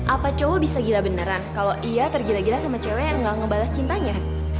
apa cowok bisa gila beneran kalau iya tergila gila sama cewek yang gak ngebalas cintanya